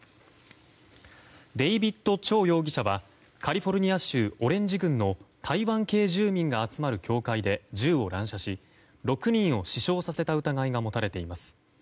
デイビッド・チョウ容疑者はカリフォルニア州オレンジ郡の台湾系住民が集まる教会で銃を乱射し６人を死傷させた疑いが持たれています。